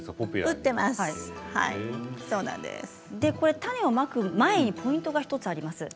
種をまく前にポイントが１つあります。